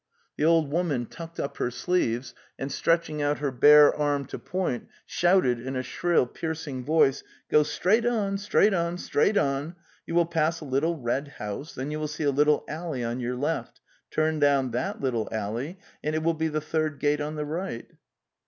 The old woman tucked up her sleeves and, stretch ing out her bare arm to point, shouted in a shrill piercing voice: 'Go straight on, straight on, straight on. You will pass a little red house, then you will see a little alley on your left. Turn down that little alley, and it will be the third gate on the right.